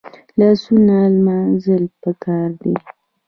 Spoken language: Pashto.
لاسونه لمانځل پکار دي